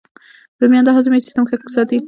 رومیان د هاضمې سیسټم ښه ساتي